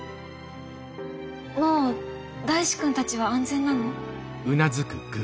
もう大志くんたちは安全なの？